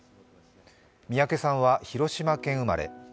三宅さんは広島県生まれ。